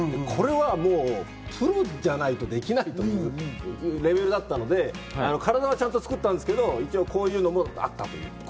これはもうプロじゃないとできないというレベルだったので、体はちゃんと作ったんですけどこういうことになったという。